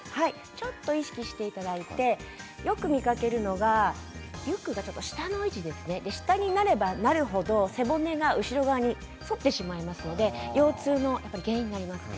ちょっと意識していただいてよく見かけるのはリュックの位置が下になっていて下になればなるほど背骨が反ってしまうので腰痛の原因になります。